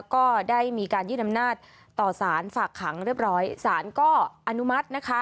ก็ได้มีการยื่นอำนาจต่อสารฝากขังเรียบร้อยสารก็อนุมัตินะคะ